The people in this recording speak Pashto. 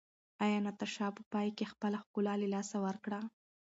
ایا ناتاشا په پای کې خپله ښکلا له لاسه ورکړه؟